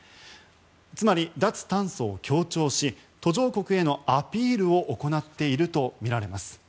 つまり脱炭素を強調し途上国へのアピールを行っているとみられます。